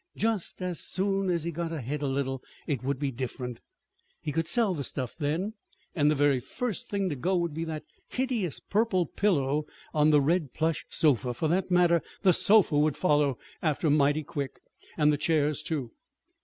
Just as soon as he got ahead a little, it would be different. He could sell the stuff, then; and the very first thing to go would be that hideous purple pillow on the red plush sofa for that matter, the sofa would follow after mighty quick. And the chairs, too.